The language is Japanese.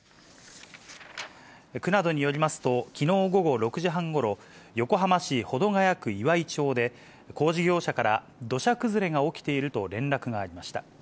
区などによりますと、きのう午後６時半ごろ、横浜市保土ケ谷区岩井町で、工事業者から、土砂崩れが起きていると連絡がありました。